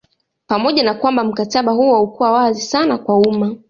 Pamoja na kwamba mkataba huo haukuwa wazi sana kwa umma